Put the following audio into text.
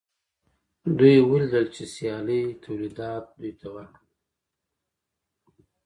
دوی ولیدل چې سیالۍ تولیدات دوی ته ورکړل